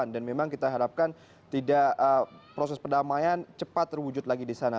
dan memang kita harapkan proses perdamaian cepat terwujud lagi di sana